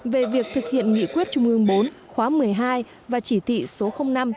về việc thực hiện nghị quyết trung ương bốn khóa một mươi hai và chỉ thị số năm